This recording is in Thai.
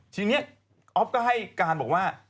ทีนี้อ๊อฟก็ให้การบอกว่า